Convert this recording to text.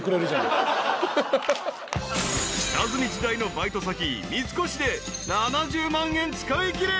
［下積み時代のバイト先三越で７０万円使いきれ］